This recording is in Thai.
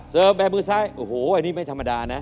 แบบมือซ้ายโอ้โหอันนี้ไม่ธรรมดานะ